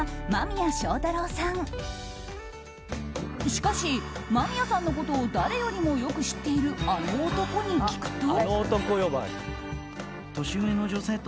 しかし、間宮さんのことを誰よりもよく知っているあの男に聞くと。